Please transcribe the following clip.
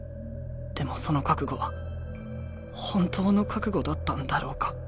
でもその覚悟は本当の覚悟だったんだろうか？